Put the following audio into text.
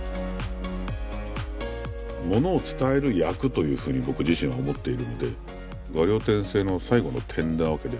ものを伝える役というふうに僕自身は思っているので「画竜点睛」の最後の点なわけで。